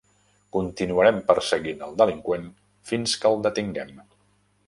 Continuarem perseguint el delinqüent fins que el detinguem.